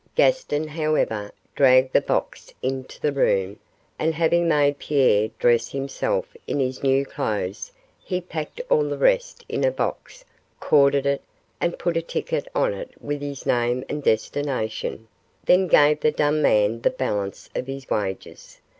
Gaston, however, dragged the box into the room, and having made Pierre dress himself in his new clothes, he packed all the rest in a box, corded it, and put a ticket on it with his name and destination, then gave the dumb man the balance of his wages.